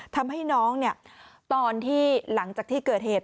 ทำให้น้องตอนที่หลังจากที่เกิดเหตุ